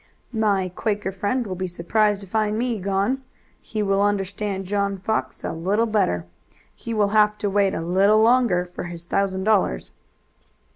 "My Quaker friend will be surprised to find me gone. He will understand John Fox a little better. He will have to wait a little longer for his thousand dollars."